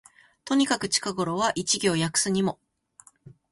とにかく近頃は一行訳すにも、